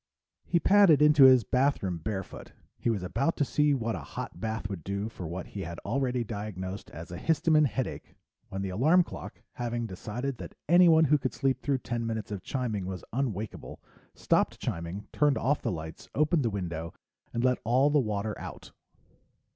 He padded into his bathroom barefoot. He was about to see what a hot bath would do for what he had already diagnosed as a histamine headache when the alarm clock, having decided that anyone who could sleep through ten minutes of chiming was unwakable, stopped chiming, turned off the lights, opened the window, and let all the water out.